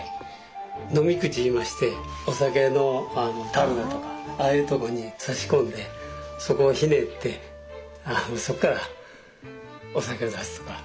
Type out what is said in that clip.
呑口いいましてお酒のたるだとかああいうとこに差し込んでそこをひねってそこからお酒を出すとか。